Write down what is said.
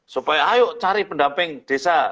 supaya ayo cari pendamping desa